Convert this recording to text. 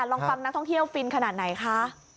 ลองฟังนักท่องเที่ยวฟินขนาดไหนคะ